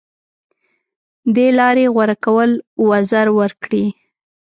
دې لارې غوره کول وزر ورکړي